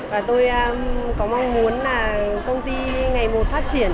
và tôi có mong muốn là công ty ngày một phát triển